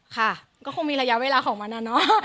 ค่ะก็คงมีระยะเวลาของมันอะเนาะ